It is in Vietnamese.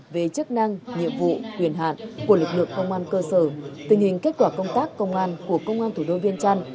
về chức năng nhiệm vụ quyền hạn của lực lượng công an cơ sở tình hình kết quả công tác công an của công an thủ đô viên trăn